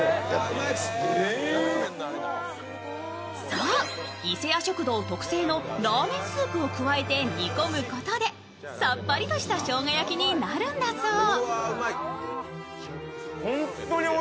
そう、伊勢屋食堂特製のラーメンスープを加えて煮込むことでさっぱりとした生姜焼きになるんだそう。